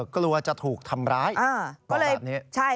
กลัวจะถูกทำร้าย